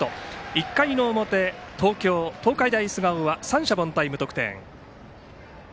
１回の表、東京・東海大菅生は三者凡退、無得点。